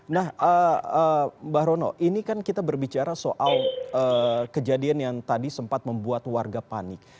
nah mbak rono ini kan kita berbicara soal kejadian yang tadi sempat membuat warga panik